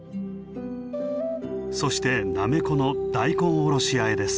そしてなめこの大根おろしあえです。